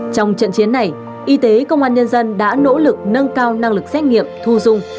trong trận chiến này y tế công an nhân dân đã nỗ lực nâng cao năng lực xét nghiệm thu dung